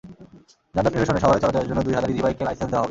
যানজট নিরসনে শহরে চলাচলের জন্য দুই হাজার ইজিবাইককে লাইসেন্স দেওয়া হবে।